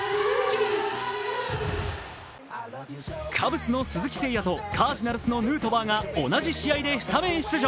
カブスの鈴木誠也とカージナルスのヌートバーが同じ試合でスタメン出場。